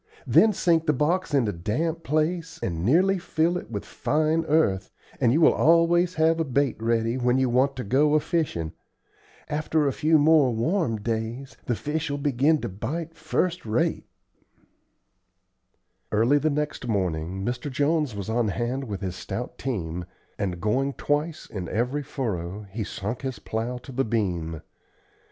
Then sink the box in a damp place and nearly fill it with fine earth, and you always have bait ready when you want to go a fishing. After a few more warm days the fish will begin to bite first rate." Early the next morning Mr. Jones was on hand with his stout team, and, going twice in every furrow, he sunk his plow to the beam.